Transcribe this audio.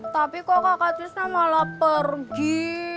tapi kok kakak cisna malah pergi